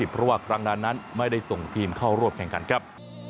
เพราะว่าครั้งนั้นนั้นไม่ได้ส่งทีมเข้าร่วมแข่งขันครับ